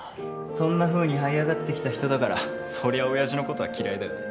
そんなふうにはい上がってきた人だからそりゃあ親父のことは嫌いだよね。